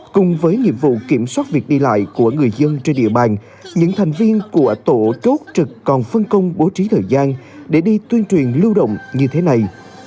cùng với nhiệm vụ kiểm soát việc đi lại của người dân trên địa bàn những thành viên của tổ chốt trực còn phân công bố trí thời gian để đi tuyên truyền lưu động như thế này